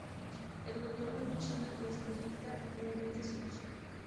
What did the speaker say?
El gobierno de China desalienta activamente su uso.